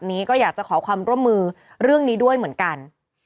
นี้ก็อยากจะขอความร่วมมือเรื่องนี้ด้วยเหมือนกัน